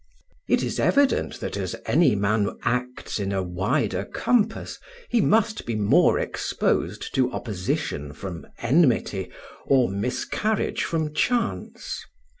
It is evident that as any man acts in a wider compass he must be more exposed to opposition from enmity or miscarriage from chance.